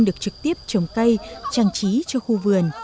được trực tiếp trồng cây trang trí cho khu vườn